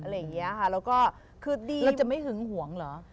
แล้วเนี่ยจนไม่หึงห่วงหรอ